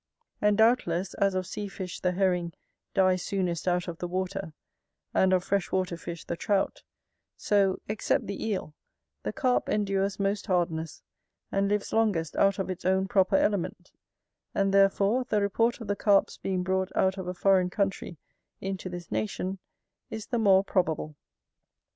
And doubtless, as of sea fish the Herring dies soonest out of the water, and of fresh water fish the Trout, so, except the Eel, the Carp endures most hardness, and lives longest out of its own proper element; and, therefore, the report of the Carp's being brought out of a foreign country into this nation is the more probable.